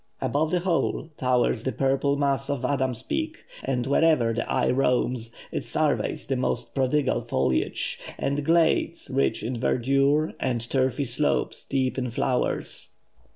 Above the whole towers the purple mass of Adam's Peak, and wherever the eye roams, it surveys the most prodigal foliage, and glades rich in verdure, and turfy slopes deep in flowers.